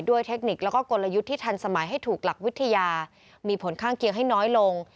เทคนิคแล้วก็กลยุทธ์ที่ทันสมัยให้ถูกหลักวิทยามีผลข้างเคียงให้น้อยลง